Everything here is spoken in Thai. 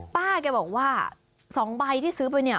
ป้าแกบอกว่า๒ใบที่ซื้อไปเนี่ย